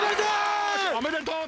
おめでとう。